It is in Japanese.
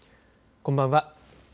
こんばんは。